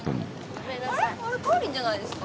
あれかおりんじゃないですか？